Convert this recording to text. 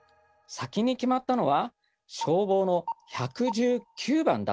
先に決まったのは消防の１１９番だったんです。